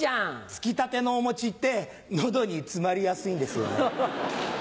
つきたてのお餅って喉に詰まりやすいんですよね。